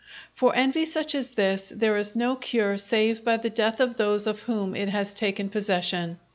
For envy such as this there is no cure save by the death of those of whom it has taken possession.